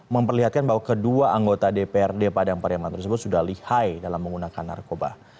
memperlihatkan bahwa kedua anggota dprd padang pariaman tersebut sudah lihai dalam menggunakan narkoba